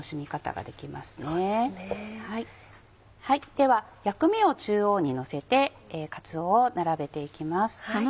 では薬味を中央に乗せてかつおを並べていきます。